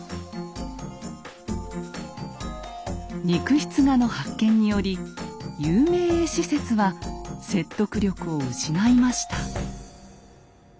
肉筆画の発見により有名絵師説は説得力を失いました。